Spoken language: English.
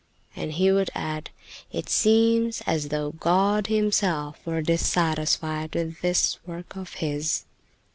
and he would add: "It seems as though God, Himself, were dissatisfied with this work of His."